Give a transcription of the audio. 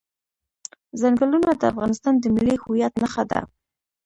ځنګلونه د افغانستان د ملي هویت نښه ده.